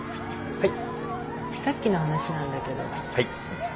はい？